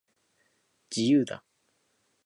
自由だ